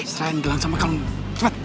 sren gelang sama kamu cepet